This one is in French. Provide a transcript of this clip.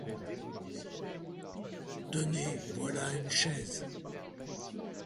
Tenez, voilà une chaise.